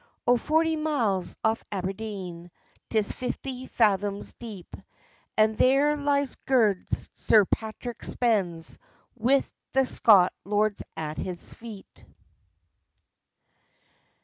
O forty miles off Aberdeen, 'Tis fifty fathoms deep, And there lies gude Sir Patrick Spens, Wi' the Scots lords at his feet.